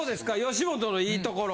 吉本のいいところ。